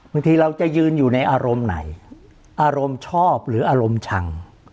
บางทีเราจะยืนอยู่ในอารมณ์ไหนอารมณ์ชอบหรืออารมณ์ชัง